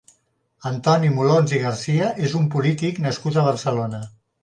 Antoni Molons i Garcia és un polític nascut a Barcelona.